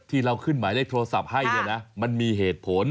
ที่เราขึ้นหมายเลขโทรศัพท์ให้เนี่ยนะมันมีเหตุผล